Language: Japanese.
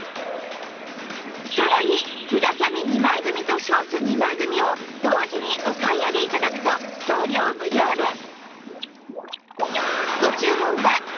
さらにブラキャミ２枚組とショーツ２枚組を同時にお買い上げ頂くと送料無料です